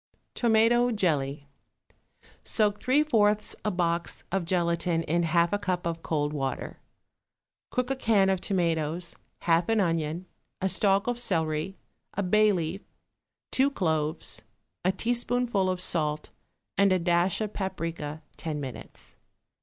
=Tomato Jelly.= Soak three fourths a box of gelatine in half a cup of cold water. Cook a can of tomatoes, half an onion, a stalk of celery, a bay leaf, two cloves, a teaspoonful of salt and a dash of paprica ten minutes.